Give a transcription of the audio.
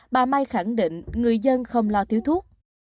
bà mai khẳng định người dân không lo thiếu thuốc